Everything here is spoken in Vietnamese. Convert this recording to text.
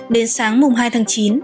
đến sáng mùng hai tháng chín